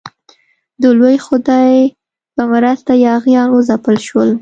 د لوی خدای په مرسته یاغیان وځپل شول.